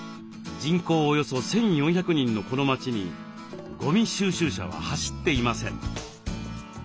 人口およそ１，４００人のこの町にゴミ収集車は走っていません。